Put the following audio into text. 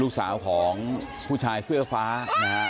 ลูกสาวของผู้ชายเสื้อฟ้านะฮะ